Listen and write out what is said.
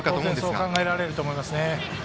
そう考えられると思います。